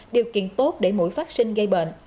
điều kiện tốt để mũi phát sinh gây bệnh